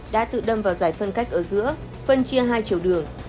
đã tự đâm vào giải phân cách ở giữa phân chia hai chiều đường